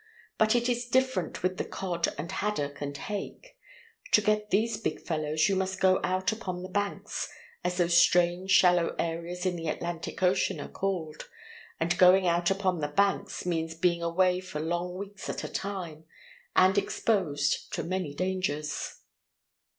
But it is different with the cod and haddock and hake. To get these big fellows you must go out upon the Banks, as those strange, shallow areas in the Atlantic Ocean are called; and going out upon the Banks means being away for long weeks at a time, and exposed to many dangers.